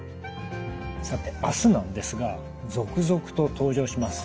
さて明日なんですが続々と登場します